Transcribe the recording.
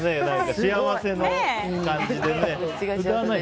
幸せの感じでね。